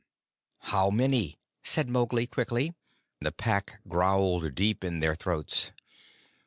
"How many?" said Mowgli quickly; the Pack growled deep in their throats.